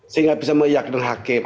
sehingga bisa meyak dan hakim